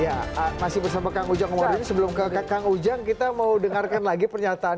ya masih bersama kang ujang wardin sebelum ke kang ujang kita mau dengarkan lagi pernyataan